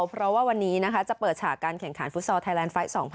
เพราะว่าวันนี้จะเปิดฉากการแข่งขัน